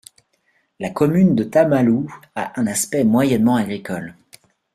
La commune de Tamalous a un aspect moyennement agricole.